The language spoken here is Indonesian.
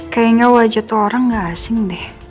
kayaknya wajah itu orang nggak asing deh